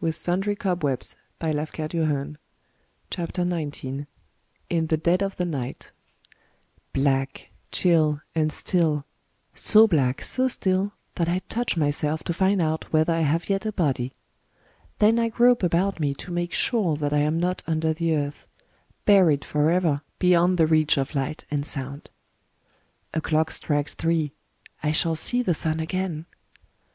''hty ''^^ Digitized by Google In the Dead of the Night BLACK, chill, and still, — so black, so still, that I touch myself to find out whether I have yet a body. Then I grope about me to make sure that I am not under the earth, — buried forever beyond the reach of light and sound. ... A clock strikes three! I shall see the sun again